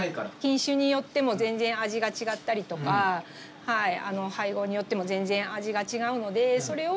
品種によっても全然味が違ったりとか配合によっても全然味が違うのでそれを。